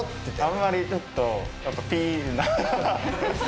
あんまりちょっとやっぱピー。